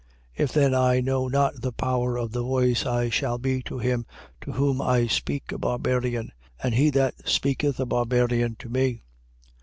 14:11. If then I know not the power of the voice, I shall be to him to whom I speak a barbarian: and he that speaketh a barbarian to me.